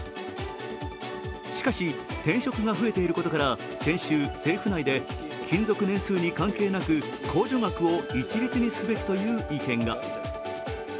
しかし、転職が増えていることから先週、政府内で勤続年数に関係なく控除額を一律にすべきという意見が。